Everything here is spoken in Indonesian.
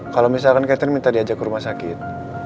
kalau misalkan catering minta diajak ke rumah sakit